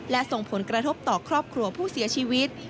และส่งผลกระทบต่อครอบครัวผู้เสียชีวิต